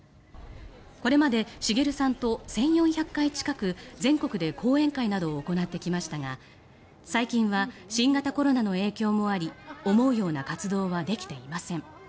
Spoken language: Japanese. これまで滋さんと１４００回近く全国で講演会などを行ってきましたが最近は新型コロナの影響もあり思うような活動はできていません。